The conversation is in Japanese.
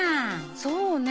そうね。